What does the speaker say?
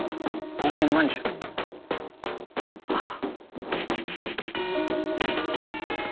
温泉まんじゅう怖い。